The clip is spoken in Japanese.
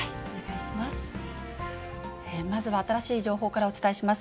まずは新しい情報からお伝えします。